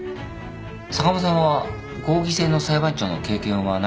坂間さんは合議制の裁判長の経験はないでしょ。